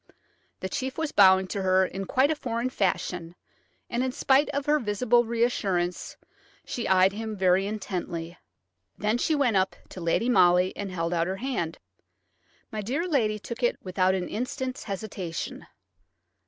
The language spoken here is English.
The chief was bowing to her in quite a foreign fashion, and in spite of her visible reassurance she eyed him very intently. Then she went up to Lady Molly and held out her hand. My dear lady took it without an instant's hesitation.